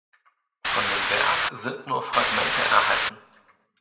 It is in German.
Von dem Werk sind nur Fragmente erhalten.